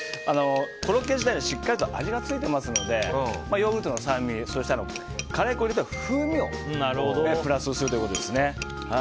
コロッケ自体にしっかりと味がついてますのでヨーグルトの酸味カレー粉を入れて風味をプラスするということですね。